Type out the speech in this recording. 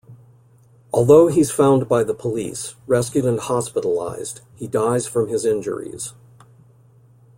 Although he's found by the police, rescued and hospitalized, he dies from his injuries.